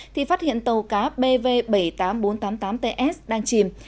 thì phát hiện tàu cá bv bảy mươi tám nghìn bốn trăm tám mươi tám ts đang chìm